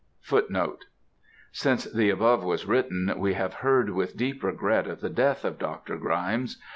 Footnote 3: Since the above was written, we have heard with deep regret of the death of Dr. Grymes.